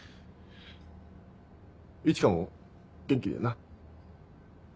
一花も元気でな。